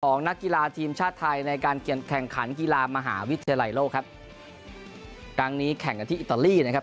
นักกีฬาทีมชาติไทยในการแข่งขันกีฬามหาวิทยาลัยโลกครับครั้งนี้แข่งกันที่อิตาลีนะครับ